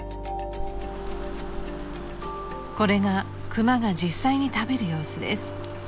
［これがクマが実際に食べる様子です］